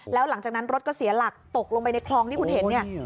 แล้วหลังจากนั้นรถก็เสียหลักตกลงไปในคลองที่คุณเห็นเนี่ย